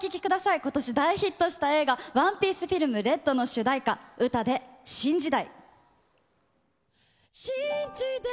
ことし大ヒットした映画、ＯＮＥＰＩＥＣＥＦＩＬＭＲＥＤの主題歌、ウタで新時代。